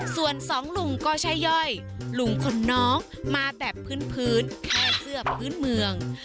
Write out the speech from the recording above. ส่วนสองลุงก็ใช่ย่อยลุงคนน้องมาแบบพื้นแค่เสื้อพื้นเมือง